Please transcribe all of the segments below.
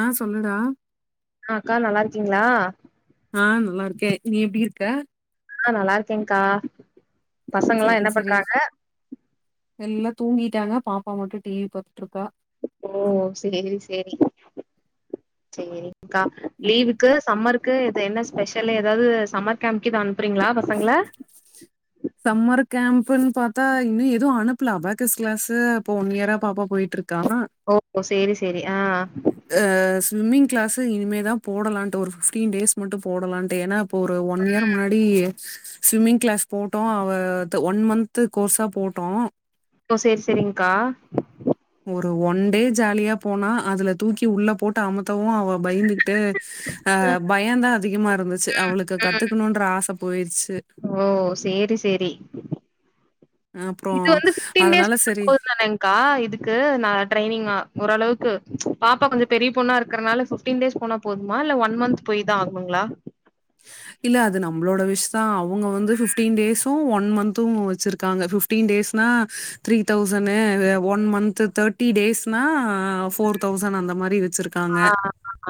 ஆ சொல்லுடா ஆ அக்கா நல்லா இருக்கீங்ளா ஆ நல்லா இருக்கே நீ எப்டி இருக்க ஆ நல்லா இருக்கேங்க்கா ம் பசங்களா செரி என்ன செரி பண்றாங்க எல்லா தூங்கிட்டாங்க பாப்பா மட்டு டிவி பாத்துட்ருக்கா ஓ சேரி சேரி சேரி க்கா லீவுக்கு சம்மருக்கு இது என்ன ஸ்பெஷலு ஏதாது சமர் கேம்கு எது அனுப்புறீங்ளா பசங்க்ள சம்மர் கேம்ப்புன் பாத்தா இன்னு எது அனுப்ல அபாகஸ் கிளாஸு இப்போ ஒன் இயரா பாப்பா போய்ட்ருக்கா ஓ சேரி சேரி ஆ ஆ ஸ்விம்மிங் கிளாஸு இனிமே தா போடலான்ட்டு ஒரு ஃபிஃப்டீன் டேஸ் மட்டு போடலான்ட்டு ஏனா இப்போ ஒரு ஒன் இயர் முன்னாடி ஸ்விம்மிங் கிளாஸ் போட்டோ அவ அது ஒன் மந்து கோர்ஸா போட்டோ ஓ சேர் செரிங்க்கா ஒரு ஒன் டே ஜாலியா போனா அதுல தூக்கி உள்ள போட்டு அமுத்தவு அவ பயந்துக்குட்டு ஆ பயந்தா அதிகமா இருந்துச்சு அவுளுக்கு கத்துக்குணுன்ற ஆசப் போயிர்ச்சு ஓ சேரி சேரி இது அப்புறம் வந்து ஃபிஃப்டீன் டேஸ் அதனால [inaudible] சரி, போது தனெங் கா இதுக்கு நா ட்ரைனிங்கா ஓரளவுக்கு பாப்பா கொஞ்ச பெரிய பொண்ணா இருக்கறனால ஃபிஃப்டீன் டேஸ் போனா போதுமா இல்ல ஒன் மன்த்து போய்தா ஆகணுங்களா இல்ல அது நம்ளோட விஷ் தா அவுங்க வந்து ஃபிஃப்டீன் டேஸு ஒன் மன்த் து வச்சிருக்காங்க ஃபிஃப்டீன் டேஸ்னா த்ரீ தௌசணு அ ஒன் மன்த்து தேட் டி டேஸ்னா ஃபோர் தௌசண் அந்த மாரி வெச்சிருக் ஆ காங்க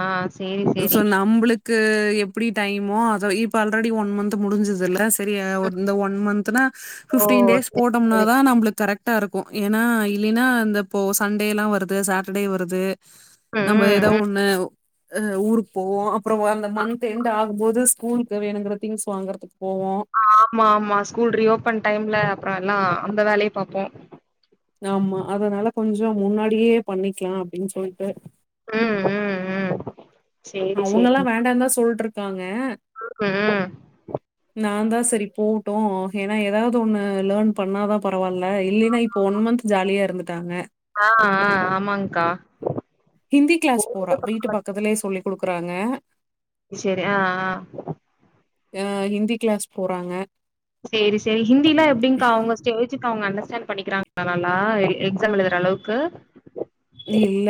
ஆ சேரி சேரி சோ நம்பளுக் கு எப்டி டைமோ அத இப்ப ஆல்ரெடி ஒன் மன்த்து முடிஞ்சுதுல்ல செரியா ஒன் இந்த ஒன் மன்த்துன்னா ஓ ஃபிஃப்டீன் டேஸ் சேரி போட் சேரி டம்னாதா நம்பளுக் கரக்ட்டாருக்கு ஏனா இல்லீனா இந்த போ சண்டேலா வருது சாட்டடே வருது ம் நம்ப ம் ம். எதா ஒன்னு அ ஊருக்போவோ அப்றோ அந்த மன்த் எண்ட் ஆகும்போது ஸ்கூல்க் வேணுங்ற திங்ஸ் வாங்கறதுக் போவோ ஆமா ஆமா ஸ்கூல் ரீஓப்பன் டைம்ல அப்றோ எல்லா அந்த வேலைய பாப்போ ஆமா அதனால கொஞ்சோ முன்னாடியே பண்ணிக்கலா அப்டின் சொல்ட்டு ம் ம் ம் சேரி அவுங்கல்லா சேரிங் வேண்டாதா சொல்ட்ருக்காங்க ம் நா தா செரி போட்டு ஏனா எதாவ்து ஒன்னு லேர்ன் பண்ணாதா பரவால்ல இல்லைன்னா இப்ப ஒன் மன்த் ஜாலியா இருந்துட்டாங்க ஆ ஆ ஆமாங்க்கா ஹிந்தி க்ளாஸ் போறா வீட்டு பக்கத்துலே சொல்லி் குடுக்கறாங்க செரி ஆ ஆ ஆ ஹிந்தி க்ளாஸ் போறாங்க சேரி சேரி ஹிந்திலா எப்டிங்க்கா அவுங்க ஸ்டேஜுக்கு அவுங்க அண்டர்ஸ்டாண்ட் பண்ணிக்கிறாங்களா நல்லா எ எ எக்ஸாம் எழுதறளவுக் கு இல்ல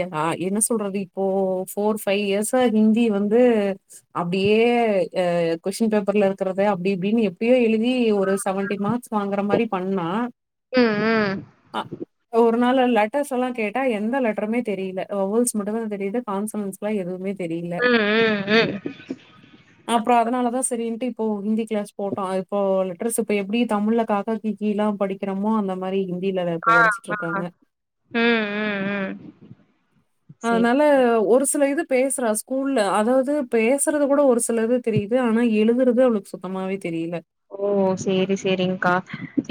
எ ஆ என்ன சொல்றது இப்போ ஃபோர் ஃபை இயர்ஸா ஹிந்தி வந்து அப்டியே ஆ கொஸ்ஸின் பேப்பர்ல இருக்கறத அப்டி இப்டின்னு எப்டியோ எழுதி ஒரு செவன்ட்டி மார்ஸ் வாங்கற மாரி பண்ணா ம் ம் ஆ ஒரு நாளு லெட்டர்ஸ் எல்லா கேட் டே எந்த லெட்டருமே தெரீல வவ்வல்ஸ் மட்டுந்தா தெரியிது கான்சொனன்ஸ் லா எதுவுமே தெரீல ம் ம் ம் அப்றோ அதனாலதா செரின்ட்டு இப்போ ஹிந்தி க்ளாஸ் போட்டோ அ இப்போ லெட்டர்ஸ் இப்ப எப்டி தமிழ்ல க, கா, கி, கீ எல்லா படிக்கிறமோ அந்த மாரி ஹிந்தில வ இப்ப ஆ ஆ படிச்சிட்ருக்காங்க ம் ம் ம் சேரி அதனால ஒரு சில இது பேஸ்றா ஸ்கூல்ல அதாவ்து பேசறது கூட ஒரு சிலது தெரியிது ஆனா எழுதுறது அவளுக் சுத்தமாவே தெரீல ஓ சேரி சேரிங்க்கா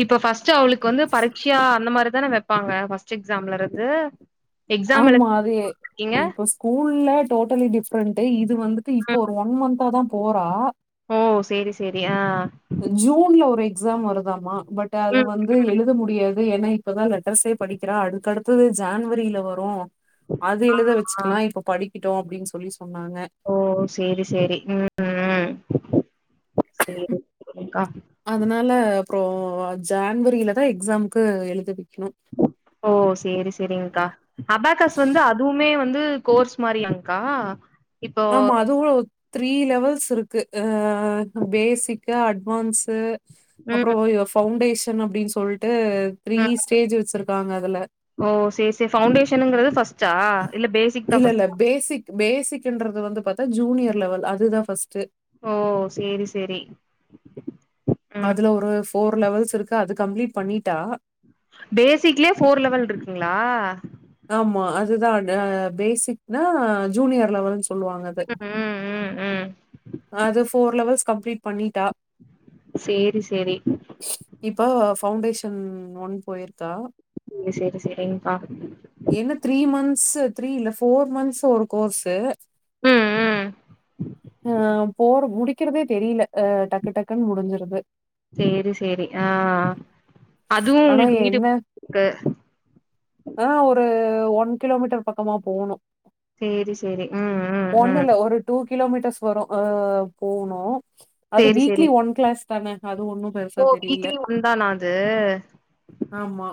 இப்ப ஃபஸ்ட் அவளுக் வந்து பரிட்சையா அந்த மாரி தான வெப் பாங்க ஃபஸ்ட் எக்ஸாம்லருந்து ஆமா அது எ இப்போ ஸ்கூல்ல டோட்டலி டிஃப்ரெண்ட்டு இது வந்துட்டு இப்போ ஒரு ஒன் மன்த்தா தா போறா ஓ சேரி சேரி ஆ ஜூன்ல ஒரு எக்ஸாம் வருதாமா பட் அது ம். வந்து எழுத முடியாது ஏனா இப்பதா லெட்டர்ஸே படிக்கிறா அதுக்கடுத்தது ஜான்வரில வரு அது எழுத ஆ. வெச்சிக்கலா இப்ப படிக்கிட்டு அப்டின் சொல்லி சொன்னாங்க ஓ சேரி சேரி ம் சேரிங்க்கா அதனால அப்ரோ ஜான்வரிலதா எக்ஸாம்க்கு எழுதிக்னு ஓ சேரி செரிங்க்கா அபேக்கஸ் வந்து அதுவுமே வந்து கோர்ஸ் மாரியாங்க்கா இப்போ ஆம்மா அதுவு த்ரீ லெவல்ஸ் இருக்கு அ பேசிக்கா அட்வான்ஸு அப்ரோ ம், யுவ பஃவுண்டேஷன் அப்டின் சொல்ட்டு த்ரீ ம். ஸ்டேஜ் வெச்சுருக்காங்க அதுல ஓ சே சே பவுண்டேஷனுங்கரது ஃப்பஸ்ட்டா இல்ல பேஸ் இல்லல்ல பேசிக் பேசிக்கின்றது வந்து பாத்தா ஜூனியர் லெவல் அதுதா ஃபர்ஸ்ட்டு ஓ சேரி செரி அதுல ஒரு ஃபோர் லெவல்ஸ் இருக்கு அது கம்ப்ளீட் பண்ணிட்டா பேசிக்லே ஃபோர் லெவல் ருக்குங்களா ஆம்மா அதுதா அ பேசிக்னா ஜூனியர் லெவல்னு சொல்லுவாங்க அது ம், ம், ம், ம். அது ஃபோர் லெவல்ஸ் கம்ப்ளீட் பண்ணீட்டா சேரி செரி இப்ப ஃபவுண்டேஷன் ஒன் பொயிர்க்கா ங்க செரி செரிங்க்கா என்ன த்ரீ மந்த்ஸ் த்ரீ இல்ல ஃபோர் மந்த்த்ஸ் ஒரு கோர்ஸு அ அ அ போற முடி க்கிறதே தெரில அ டக்கு டக்குன்னு முடிஞ்சிற்து சேரி சேரி அ ஆனா என்ன அ ஒரு ஒன் கிலோமீட்டர் பக்கமா போணு சேரி சேரி அ அ அ டூ கிலோமீட்டர்ஸ் வரு அ போணூ அது சேரி சேரி வீக்லி ஒன் கிளாஸ் தான அது ஒண்ணு பெருசா ஓ தெரியில வீக்லி ஒன் தானா அது ஆம்மா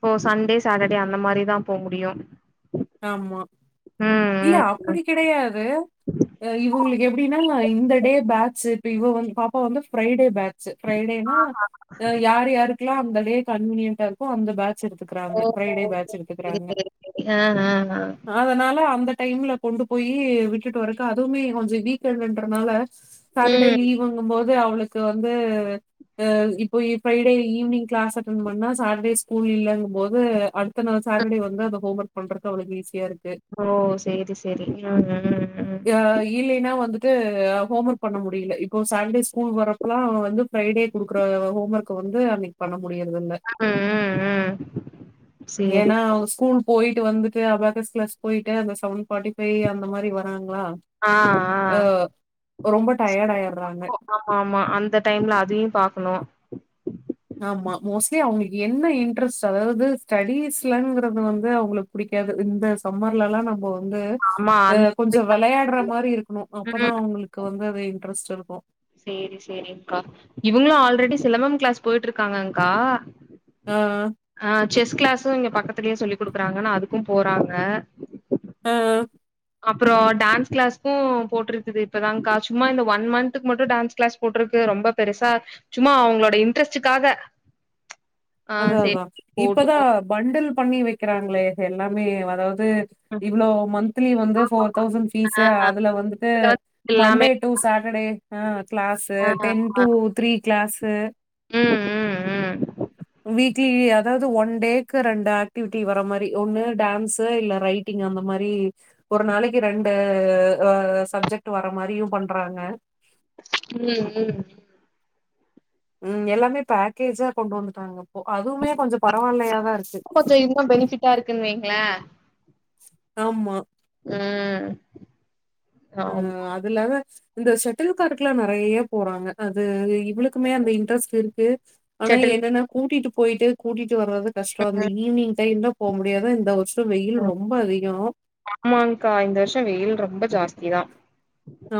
போ சண்டே சாட்டர்டே அந்த மாரி தா போ முடியு ஆம்மா ம் இல்ல ம் அப்புடி ம் கெடையாது அ இவுங்குளுக் எப்டின்னா இந்த டே பேட்ச்சு ப்ப இவ வ பாப்பா வந்து ஃப்ரைடே பே ஸ் ஃப்ரைடேன்னா ஆஹா. யா யாரு யாருக்ல்லா அந்த டே கன்வீனியன்டா இருக்கு அந்த பே ச்சுக் த்துக்குறாங்க ஃப்ரைடே பேட்ச்சு த்துக்குறாங்க அ ஹ ஹ அதனால அந்த டைம்ல கொண்டு போயூ விட்டுட்டு வரக்கு அதுவுமே கொஞ்சொ வீக் எண்ட்ன்றனால சட்டர்டே ம் லீவுங்கும்போது அவுளுக்கு வந்து அ இப்போ இப்ப இடயில ஈவ்னிங் க்ளாஸ் அட்டென் பண்ணா சாட்டர்டே ஸ்கூல் இல்லங்கும் போது அடு அத்த நாள் சாட்டர்டே வந்து அப்ப ஹோம் ஒர்க் பண்றப்ப அவ்ளுக்கு ஈஸியாருக்கு ஓ சேரி சேரி உ உ ம் யா இல்லைன்னா வந்துட்டு ஹோம் ஒர்க் பண்ண முடியில்ல இப்போ சாட்டர்டே ஸ்கூல் வரப்பல்லா வந்து ஃரைடே குடுக்குற ஹோம் ஒர்க் வந்து அன்னைக் பண்ண முடியாது இல்ல ம் ம் ம் ம் சேரி ஏன்னா அவு ஸ்கூல் போயிட்டு வந்துட்டு அபாக்கஸ் கிலாஸ் போயிட்டு அந்த செவன்ஃபார்ட்டி ஃபைவ் அந்த மாரி வராங்ளா ஆ ஆ அ ரொம்ப டயர்ட் ஆயிற்றாங்க ஆம்மா அந்த டைம்ல அதுயு பாக்குணு ஆமா மோஸ்ட்லி அவங்களுக்கு என்ன இன்ட்ரெஸ்ட் அதாவது ஸ்டடிஸ்லங்கறது வந்து அவங்களுக் புடிக்காது இந்த சம்மர்லல்லா நம்போ இந்த ஆமா ஆ அந்த கொஞ்சோ விளையாட்ற்ற மாரி இருக்கணு அப்பதா ம் அவங்களுக்கு வந்து அது இன்ட்ரெஸ்ட் இருக்கு சேரி செரிங்கா இவங்களு ஆல்ரெடி சிலம்பம் கிளாஸ் போயிட்டு இருக்காங்கங்கா ஆ ஆ செஸ் கிளாஸ்சு இங்க பக்கத்துலயே சொல்லி கொடுக்குறாங்கன்னா அதுக்கு போறாங்க ஆ அப்பறோ டான்ஸ் கிளாஸ்கு போட்ருக்குது இப்பதாங்கா சும்மா இந்த ஒன் மந்த்துக்கு மட்டு டான்ஸ் கிளாஸ் கூட்டுருக்கு ரொம்ப பெருசா சும்மா அவங்களோட இன்ட்ரெஸ்ட்டுக்காக ஆ அதா அதா சேரி போட்டு இப்பதா பண்டல் பண்ணி வெக்கிறாங்களே எல்லாமே அதாவது இவ்ளோ மந்த்லி வந்து ஃபோர் தௌசண்ட் ஃபீஸ்சு ஆ அதுல வந்துட்டு இதுல வந்து மண்டே எல்லாமே டூ சாட்டர்டே அ கிளாஸ்சு ஆ டென் ஆ டூ த்ரீ கிளாஸ்சு ம் ம் ம் வீக்லி அதாவ்து ஒன் டேக்கு ரெண்டு ஆக்டிவிட்டி வர மாரி ஒன்னு டான்ஸ் இல்ல ரைட் டிங் அந்த மாரி ஒரு நாளைக்கு ரெண்டு சப்ஜெக்ட் வர மாரியும் பண்றாங்க ம் ம் ம் எல்லாமே பேக்கேஜா கொண்டு வந்துட்டாங்க இப்போ அதும்மே கொஞ்ச பரவால்லையாதா இருக்கு கு பெனிபிட்டா இருக்குன் வெய்ங்களே ஆமா ம் ஆமா ம் அதுல்லத இந்த செட்டில் கர்க்கல நெறைய்யா போறாங்க அது இவளுக்குமே அந்த இன்ட்ரெஸ்ட் இருக்கு ஆனா செட்டில் என்னன்னா கூட்டிட்டு போயிட்டு கூட்டிட்டு வர்றது கஷ்டோ அந்த ம் ஈவ்னிங் டைம்ல போ முடியாது இந்த ப வெயில் ரொம்ப அதிகோ ஆமாங்கா இந்த வர்ஷோ வெயில் ரொம்ப ஜாஸ்திதா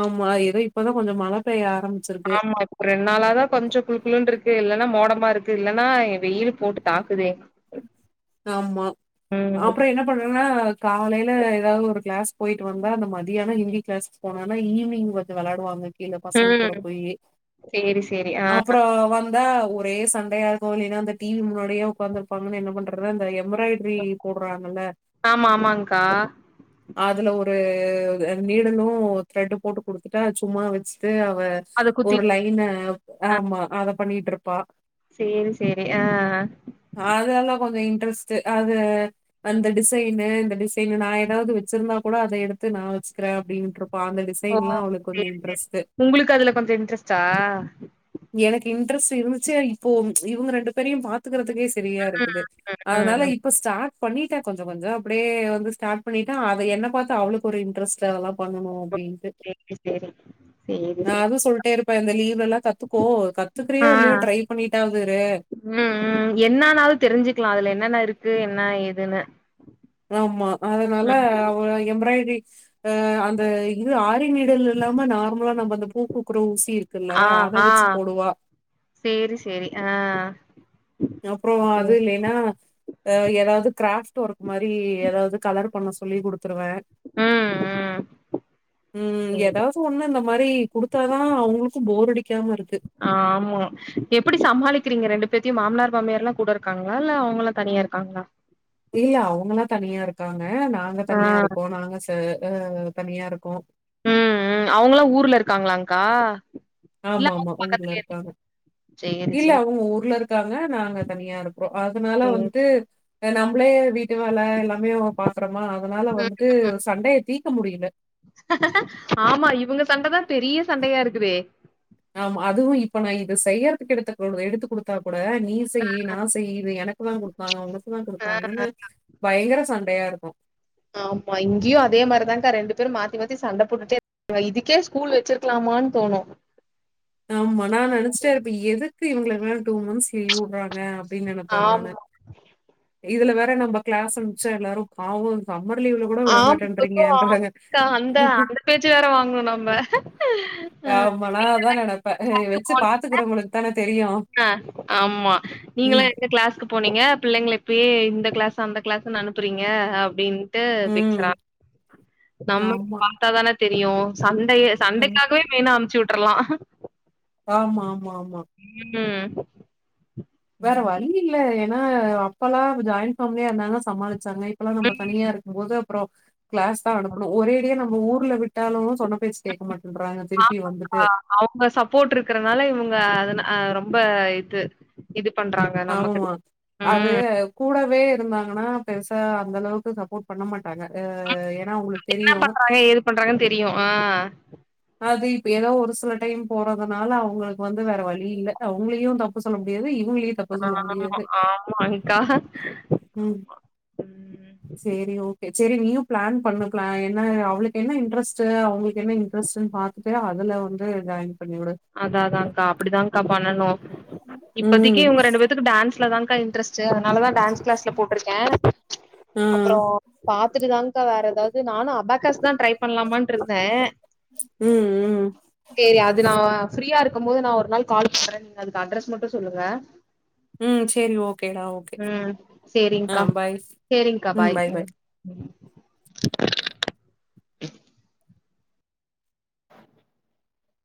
ஆமா எதோ இப்பதா கொஞ்சோ மழ பெய்ய ஆரம் ஆமா ரெண் நாளாதா கொஞ்ஜொ குழு குழுன்ருக்கு இல்லன்னா மோடமா இருக்கு இல்லன்னா வெயில் போட்டு தாக்குதே ஆமா ம் அப்புற என்னப் பண்றாங்கனா காலைல எதாவது ஒரு கிளாஸ் போயிட்டு வந்தா அந்த மத்தியான ஹிந்தி கிளாஸ் போனானா ஈவ்னிங் வந்து விளாடுவாங்க கீழ பசங் கூட ம் போயி சேரி சேரி ஆ அப்பற வந் தா ஒரே சண்டையா இருக்கு இல்லின்னா அந்த டி வி முன்னாடியே உக்காந்து இரு கம்முன்னு என்ன பண்றது அந்த எம்ப்ராய்ட்ரி போட்றாங்கல்ல ஆமா ஆமாங்க்கா அதுல ஒரு நீடலு த்ரெட்டு போட்டு குடுத்துட்டா சும்மா வச்சுட்டு அவ அத குத்தி ஒரு லைன்ன ஆமா அத பண்ணிட்ருப்பா சேரி சேரி அ அதெல்லா கொஞ்சோ இன்ட்ரெஸ்ட்டு அது அந்த டிசைனு இந்த டிஸ் இங்க நா எதாவது வெச்சிர்ந்தா கூட அதை எடுத்து நா வச்சுக்கிறே அப்டின்ட் இருப்பா அந்த ஓ டிசைன்லா அவளுக்கு கொஞ்சோ சேரி சேரி இன்ட்ரெஸ்ட்டு உங்களுக் அதுல கொஞ்ச இன்ட்ரெஸ்ட்டா எனக்கு இன்ட்ரெஸ்ட் இருந்துச்சு இப்போ இவங்க ரெண்டு பேரையும் பாத்துக்கிறதுக்கே செ ரியா ம் இருக்குது ம் அதனால ம் இப் ப ஸ்டார்ட் பண்ணிட்டே கொஞ்ச கொஞ்சோ அப்படியே வந்து ஸ்டார்ட் பண்ணிட்ட அத என்ன பாத்து அவளுக்கு ஒரு இன்ட்ரஸ்ட் ச அதெல்லா பண்ணணு அப்டின்ட்டு சேரி சேரி சேரி நா சேரி அதுவு சொல்ட்டே இருப்ப இந்த லீவ்லல்லா கத்துக்கோ கத்துக்கிறியோ ஆ இல்லையோ ட்ரை பண்ணிட்டாவது இரு ம் ம் என்னனாலு தெரிஞ்சிக்கலா அதுல என்னென்ன இருக்கு என்னா ஏதுன்னு ஆமா அதனால ம் அவ எம்ப்ராய்ட்ரி அ அந்த இது ஆரி நீடில் இல்லாம நார்மலா நம்ம அந்த பூக்கூக்கர ஊசி இருக் ருக்குல்ல ஆ அத ஆ வச்சு போடுவா சேரி செரி ஆ அப்பறோ சேரி அதுலே நா எதாவது கிராஃப்ட் ஒர்க் மாரி எதாவது கலர் பண்ண சொல்லி குடுத்துருவ ம் ம் ம் சேரி ஏதா க்கு ஒன்னு இந்த மாரி குடுத்தாதா அவங்களுக்கு போர் அடிக்காம இருக்கு ஆமா எப்படி சமாளிக்கிறீங்க ரெண்டு பேத்தையு மாமனார் மாமியார்ல்லா கூட இருக்காங்ளா இல்ல அவங்கெல்லா தனியா இருக்காங்ளா இல்ல அவங்கல்லா தனியா இருக்காங்க நாங்க ஆ தனியா இருக்கோ நாங்க செ அ தனியா இருக்கோ ம் ம் அவங்கல்லா ஊர்ல இருக்காங்களாக்கா ஆமா ஆமா ஊர்ல இருக்காங்க சேரி இல்ல சேரி அவங்க ஊர்ல இருக்காங்க நாங்க தனியா இருக்றோ அதுனால ம் வந்துட்டு அ நம்பளே வீட்டு வேல எல்லாமே பாக்கறமா அதனால வந்துட்டு சண்டய தீக்க முடியல ஆமா இவங்க சண்ட தா பெரிய சண்டயா இருக்குதே ஆமா அதுவு இப்ப நா இத செய்யறதுக்கு எடுத்த இவளுக எடுத்து குடுத்தா கூட நீ செய்யி நா செய்யி இது எனக்கு தா குடுத்தாங்க உனக்கு தா ஆ குடுத்தாங்கன்னு பயங்கர சண்டையா இருக்கு ஆமா இங்கேயு அதே மாதிரிதான்க்கா ரெண்டு பேரு மாத்தி மாத்தி சண்ட போட்டுட்டே வ இதுக்கே ஸ்கூல் வச்சிருக்கலாமான் தோணு ஆமா நா நெனைச்சுட்டே இருப்ப எதுக்கு இவங்களுக்கு லா டூ மந்த்ஸ் லீவ் உட்றாங்க அப்டின்னு நெனப்பே நானே ஆமா இதுல வேற நம்ம கிளாஸ் அனுப்ச்சா எல்லாரு ஆவோ சம்மர் லீவ்ல கூட விட ஆம் ஐயோ மாட்டேன்றீங்கன்றாங்க ஆமாக்கா அந்த அந்த பேச்சு வேற வாங்கணு நம்ம ஆமா நா அதா நெனப்ப வச்சு பாத்துக்கறவங்களுக்கு தான தெரியு அ ஆமா நீங்களா எந்த கிளாஸ்க்கு போனீங்க பிள்ளைங்கள இப்பயே இந்த கிளாஸ் அந்த கிளாஸ்ன்னு அனுப்புறீங்க அப்டின் ட்டு பேசுறா ம். நம்மள்க்கு ஆமா. பாத்தா தான தெரியு சண்டைய ம். சண்டைக்காகவே மெயினா அனுப்ச்சு விட்ருலா ஆமா ஆமா ஆமா இய்யுன்னா வேற வழி இல்ல ஏன்னா அப்பெல்லா ஜாய்ன் ஃபேமிலியா இருந்தாங்க சமாளிச் சமயத்துல நம்ம ம். தனியா இருக்குபோது அப்ற கிளாஸ் தா அனுப்பனு ஒரேடியா நம்ம ஊர்ல விட் விட்டாலு சொன்ன பேச்சு கேட்க மாட்டேன்றாங்க திருப்பியு ஆமாக்கா. வந்துட்டு அவங்க சப்போர்ட் இருக்குறனால இவங்க அதுன ரொம்ப இது இது பண்றாங்க நமக்கு. ஆமா அது ம். கூடவே இருந்தாங்கன்னா பெருசா அந்த அளவுக்கு சப்போர்ட் பண்ண மாட்டாங்க அ ஏன்னா அவுங்ளுக்கு என்னா பண்றாங்க ஏது பண்றாங்கன் தெரியு ஆ அது இப்ப எதோ ஒரு சில டைம் போறதுனால அவங்களுக்கு வந்து வேற வழி இல்ல அவங்களையு தப்பு சொல்ல முடியாது இவங்களையு தப்பு சொல்ல ஆமா முடியாது ஆமாங்க்கா ம் ம் ம் சேரி ஓகே செரி நீயு ப்ளான் பண்ணு ப்ளா என்ன அவளுக்கு என்ன இன்ட்ரெஸ்ட் அவங்களுக்கு என்ன இன்ரஸ்ட்ட் பாத்துட்டு அதுல வந்து ஜாயின் பண்ணி உடு அதா அதான்கா அப்படிதாங்கா பண்ணனு இப்பதக்கி ம் இவங்க ரெண்டு பேத்துக்கு டான்ஸ்லதாங்கா இன்ட்ரெஸ்ட் ச்ச அதனால தா டான்ஸ் கிளாஸ்ல போட்ருக்கே ஆ அப்றோ பாத்துட்டு தாங்கா வேற ஏதாவது நானு அப்பக்கஸ் தா ட்ரை பண்ணலாமான்ட்டுருந்தே ம் ம் சேரி அது நா ஃப்ரீயா இருக்கும்போது நா ஒரு நாள் கால் பண்றே நீங்க அதுக்கு அட்ரஸ் மட்டு சொல்லுங்க ம் சேரி ஓகேடா ஓகே ம் ஆ சேரிங்க்கா பாய் சேரிங்க்கா பாய் ம் ம்